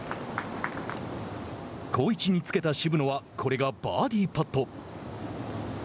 好位置につけて渋野はこれがバーディーパット。